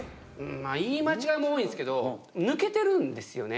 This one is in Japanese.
言い間違いも多いんですけど抜けてるんですよね。